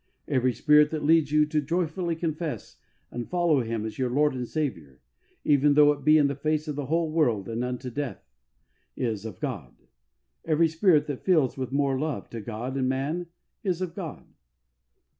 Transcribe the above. Every spirit that leads you to joyfully confess and fid low Him as your Lord and Saviour, even though it be in the face of the whole world and unto death, is of God. Every spirit that fills with more love to God and man, is of God.